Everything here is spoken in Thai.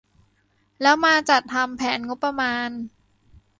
แล้วมาจัดทำแผนงบประมาณ